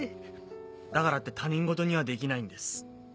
だからって他人事にはできないんです。